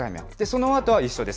そのあとは一緒です。